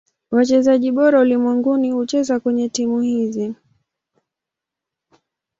Wachezaji bora ulimwenguni hucheza kwenye timu hizi.